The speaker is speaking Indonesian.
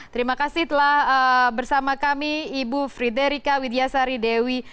terima kasih telah bersama kami ibu friderika widyasari dewi